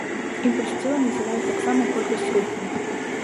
Імпульс цела называюць таксама колькасць руху.